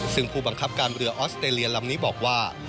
ซึ่งผู้บังคับการเรือออสเตรเลียลำนี้บอกว่า